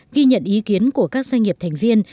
ghi nhận ý kiến của các doanh nghiệp thành viên